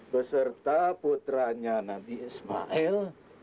beserta putranya nabi ismail